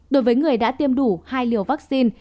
đối với người đã tiêm đủ hai liều vaccine